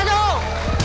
tiga dua satu